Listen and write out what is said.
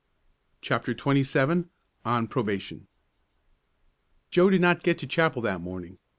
CHAPTER XXVII ON PROBATION Joe did not get to chapel that morning.